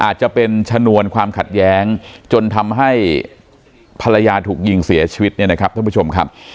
อาจจะเป็นชนวนความขัดแย้งจนทำให้ภรรยาถูกยิงเสียชีวิตเนี่ยนะครับท่านผู้ชมครับ